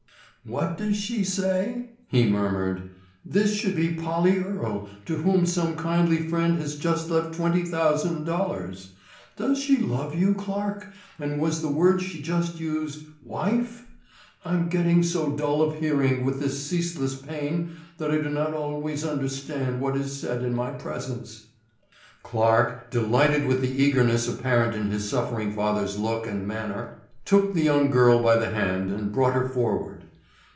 "What does she say?" he murmured. "This should be Polly Earle, to whom some kindly friend has just left twenty thousand dollars. Does she love you, Clarke, and was the word she just used 'wife'? I'm getting so dull of hearing with this ceaseless pain, that I do not always understand what is said in my presence." Clarke, delighted with the eagerness apparent in his suffering father's look and manner, took the young girl by the hand and brought her forward.